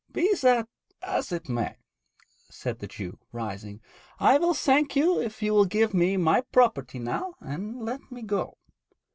'Be that as it may,' said the Jew, rising, 'I will thank you if you will give me my property now and let me go.'